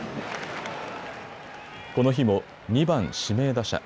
この日も２番・指名打者。